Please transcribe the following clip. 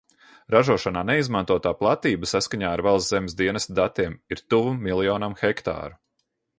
Ražošanā neizmantotā platība, saskaņā ar Valsts zemes dienesta datiem, ir tuvu miljonam hektāru.